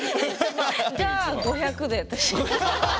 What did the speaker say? じゃあ５００で私。